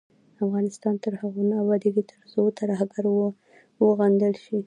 افغانستان تر هغو نه ابادیږي، ترڅو ترهګري وغندل شي.